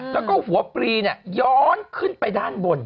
แล้วก็หัวปลีย้อนขึ้นไปด้านบน